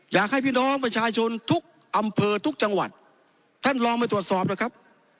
อยากให้พี่น้องประชาชนทุกอำเภอทุกจังหวัดท่านลองไปตรวจสอบนะครับ